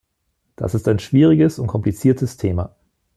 Das ist ein schwieriges und kompliziertes Thema.